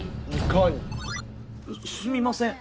すみません。